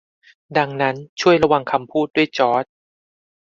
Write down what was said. ดังนั้น ช่วยระวังคำพูดด้วยจอร์จ